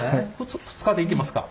２日でいけますか？